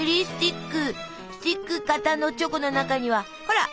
スティック形のチョコの中にはほら！